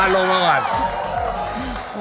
ลงมาก่อน